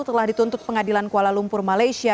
telah dituntut pengadilan kuala lumpur malaysia